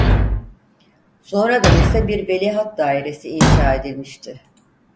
Sonradan ise bir Veliaht Dairesi inşa edilmişti.